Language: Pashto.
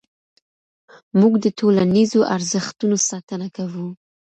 موږ د ټولنیزو ارزښتونو ساتنه کوو.